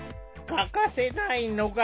欠かせないのが。